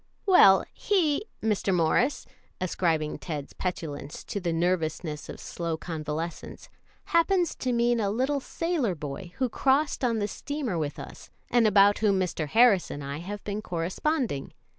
"Well, he, Mr. Morris," ascribing Ted's petulance to the nervousness of slow convalescence, "happens to mean a little sailor boy who crossed on the steamer with us, and about whom Mr. Harris and I have been corresponding.